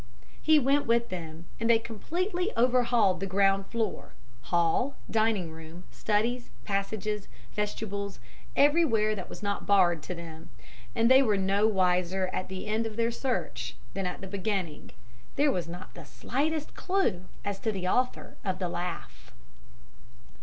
"He went with them, and they completely overhauled the ground floor hall, dining room, studies, passages, vestibules, everywhere that was not barred to them; but they were no wiser at the end of their search than at the beginning; there was not the slightest clue as to the author of the laugh.